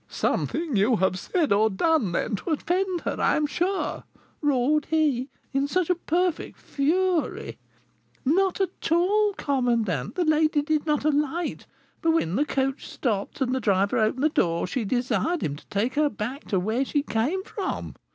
'Something you have said or done, then, to offend her, I am sure!' roared he in a perfect fury. 'Not at all, commandant. The lady did not alight, but when the coach stopped and the driver opened the door, she desired him to take her back to where she came from.'